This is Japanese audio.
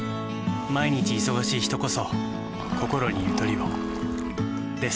毎日忙しい人こそこころにゆとりをです。